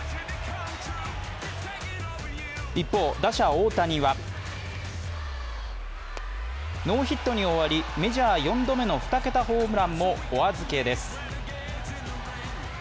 一方、打者・大谷はノーヒットに終わり、メジャー４度目の２桁ホームランもお預けです。